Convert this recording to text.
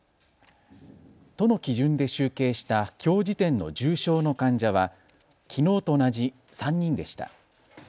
都の基準で集計したきょう時点の重症の患者はきのうと同じ３人でした。